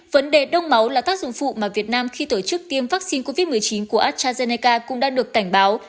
vấn đề đông máu là tác dụng phụ mà việt nam khi tổ chức tiêm vaccine covid một mươi chín của astrazeneca cũng đã được cảnh báo